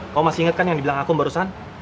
kamu masih ingat kan yang dibilang aku barusan